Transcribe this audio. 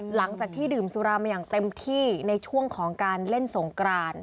หลังจากที่ดื่มสุรามาอย่างเต็มที่ในช่วงของการเล่นสงกราน